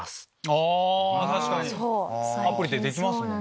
あ確かにアプリでできますもんね。